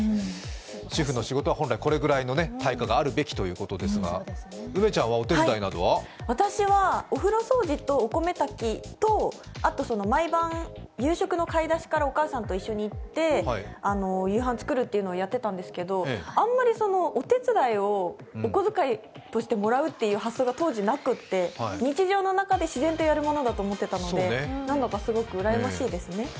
主婦の仕事は本来、これくらいの対価があるべきということですが私はお風呂掃除とお米炊きと、毎晩夕食の買い出しからお母さんと一緒に行って夕飯作るというのをやってたんですけど、あんまりお手伝いをお小遣いとしてもらうという発想が当時なくて日常の中で自然とやるものだと思ってたのでなんだかすごくうらやましいですね。